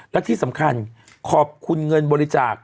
และที่สำคัญขอบคุณเงินบริจาค